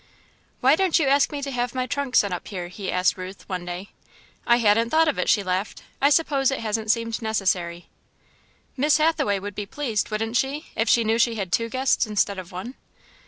"Why don't you ask me to have my trunk sent up here?" he asked Ruth, one day. "I hadn't thought of it," she laughed. "I suppose it hasn't seemed necessary." "Miss Hathaway would be pleased, wouldn't she, if she knew she had two guests instead of one?"